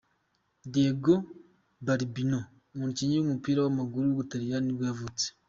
Diego Balbinot, umukinnyi w’umupira w’amaguru w’umutaliyani nibwo yavutse.